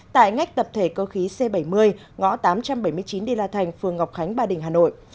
tại ngách tập thể cơ khí c bảy mươi ngõ tám trăm bảy mươi chín đê la thành phường ngọc khánh ba đình hà nội